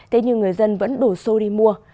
thế nhưng người dân vẫn đổ xô đi mua